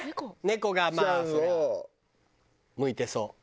猫がまあそりゃ向いてそう。